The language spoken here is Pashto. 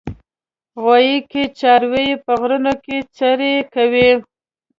غویی کې څاروي په غرونو کې څرې کوي.